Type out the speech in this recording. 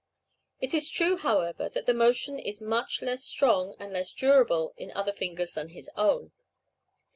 It is true, however, that the motion is much less strong and less durable in other fingers than his own.